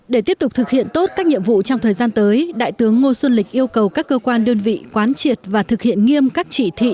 để tiếp tục thực hiện tốt các nhiệm vụ trong thời gian tới đại tướng ngô xuân lịch yêu cầu các cơ quan đơn vị quán triệt và thực hiện nghiêm các chỉ thị